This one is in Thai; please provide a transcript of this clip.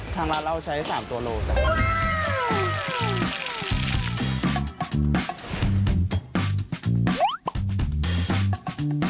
ทางร้านเราใช้๓ตัวโลจ้ะ